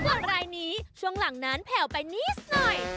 ส่วนรายนี้ช่วงหลังนั้นแผ่วไปนิดหน่อย